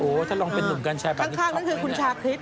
โอ้โฮถ้าลองเป็นหนุ่มกันใช่ป่ะข้างนั่นคือคุณชาคริส